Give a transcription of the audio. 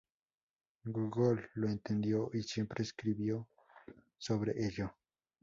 Gógol lo entendió y siempre escribió sobre ello.